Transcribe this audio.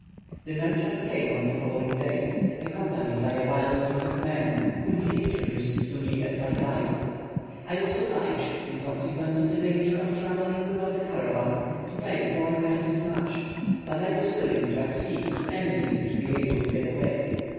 The merchant came on the following day, accompanied by a wild looking man, whom he introduced to me as my guide. I was obliged, in consequence of the danger of travelling without a caravan, to pay four times as much; but I was willing to accede to anything to be able to get away.